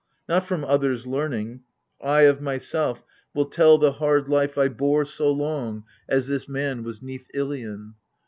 Not from others Learning, I of myself will tell the hard life 70 AGAMEMNON. I bore so long as this man was 'neath Ilion.